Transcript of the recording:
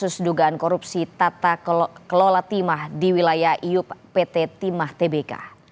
kasus dugaan korupsi tata kelola timah di wilayah iup pt timah tbk